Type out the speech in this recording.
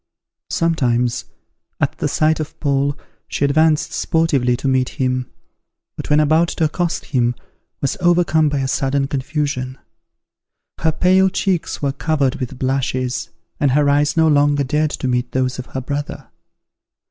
Sometimes, at the sight of Paul, she advanced sportively to meet him; but, when about to accost him, was overcome by a sudden confusion; her pale cheeks were covered with blushes, and her eyes no longer dared to meet those of her brother.